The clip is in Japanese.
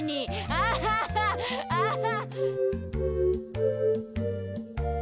アハハアハ！